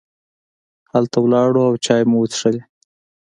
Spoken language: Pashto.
هلته ولاړو او چای مو وڅښلې.